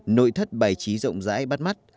nội thất bài trí rộng rãi bắt mắt